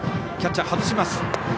キャッチャー、外します。